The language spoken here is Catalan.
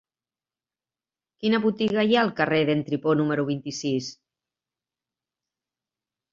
Quina botiga hi ha al carrer d'en Tripó número vint-i-sis?